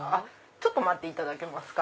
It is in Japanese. ちょっと待っていただけますか。